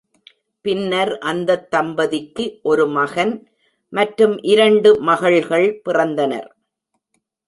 பின்னர் அந்தத் தம்பதிக்கு ஒரு மகன் மற்றும் இரண்டு மகள்கள் பிறந்தனர்.